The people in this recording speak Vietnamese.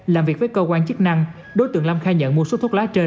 làm việc với cơ quan chức năng đối tượng lâm khai nhận mua số thuốc lá trên